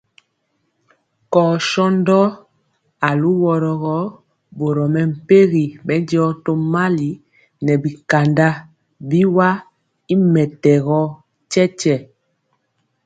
Kɔɔ shondɔ aluworo gɔ, boro mɛmpegi bɛndiɔ tomali nɛ bikanda biwa y mɛtɛgɔ tyetye.